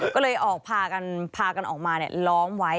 ก็เลยพากันออกมาล้อมไว้